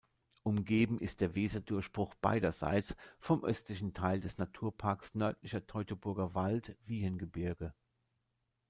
Umgeben ist der Weserdurchbruch beiderseits vom östlichen Teil des Naturparks Nördlicher Teutoburger Wald-Wiehengebirge.